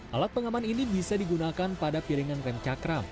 alat pengaman ini bisa digunakan pada piringan rem cakram